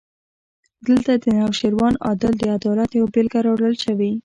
دلته د نوشیروان عادل د عدالت یوه بېلګه راوړل شوې.